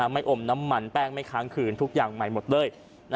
ไม่อมน้ำมันแป้งไม่ค้างคืนทุกอย่างใหม่หมดเลย